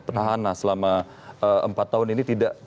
petahana selama empat tahun ini tidak